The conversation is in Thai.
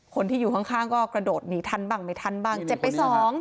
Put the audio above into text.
คนที่อยู่ข้างก็กระโดดหนีทันบ้างไม่ทันบ้างเจ็บไปสอง